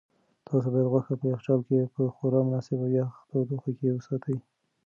تاسو باید غوښه په یخچال کې په خورا مناسبه او یخه تودوخه کې وساتئ.